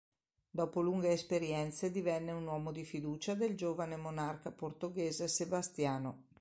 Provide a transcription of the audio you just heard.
Dopo lunghe esperienze divenne un uomo di fiducia del giovane Monarca Portoghese Sebastiano.